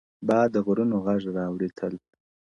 • باد د غرونو غږ راوړي تل..